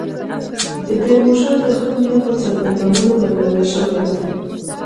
د تیمورشاه د ښه نیت په څرګندولو بریالي شوي وو.